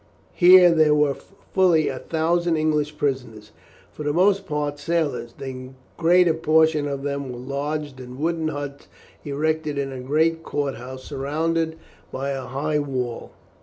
Here there were fully a thousand English prisoners, for the most part sailors. The greater portion of them were lodged in wooden huts erected in a great courtyard surrounded by a high wall.